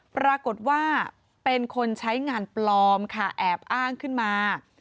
ปรากฏว่าเป็นคนใช้งานปลอมค่ะแอบอ้างขึ้นมา